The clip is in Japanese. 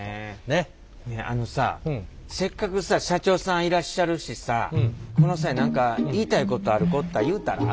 ねえあのさせっかくさ社長さんいらっしゃるしさこの際何か言いたいことある子おったら言うたら？